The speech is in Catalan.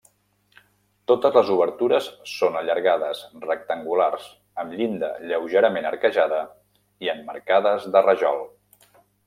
Totes les obertures són allargades, rectangulars, amb llinda lleugerament arquejada i emmarcades de rajol.